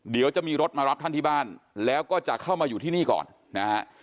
เดี๋ยวจะมีรถมารับท่านที่บ้านแล้วก็จะเข้ามาอยู่ที่นี่ก่อนนะฮะ